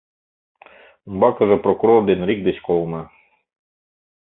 Умбакыже прокурор ден рик деч колына.